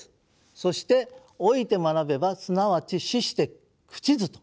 そして「老いて学べば即ち死して朽ちず」と。